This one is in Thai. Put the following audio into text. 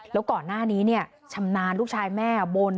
แล้วก่อนหน้านี้ชำนาญลูกชายแม่บน